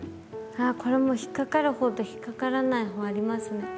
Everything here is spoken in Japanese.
あこれも引っ掛かる方と引っ掛からない方ありますね。